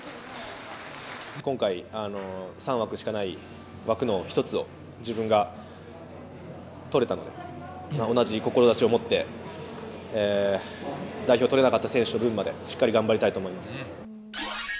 今回、３枠しかない枠の１つを、自分が取れたので、同じ志を持って代表を取れなかった選手の分まで、しっかり頑張りたいと思います。